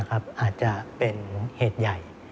อาจจะเป็นเหตุใหญ่